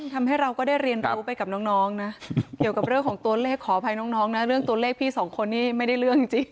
ทำให้เราก็ได้เรียนรู้ไปกับน้องนะเกี่ยวกับเรื่องของตัวเลขขออภัยน้องนะเรื่องตัวเลขพี่สองคนนี้ไม่ได้เรื่องจริง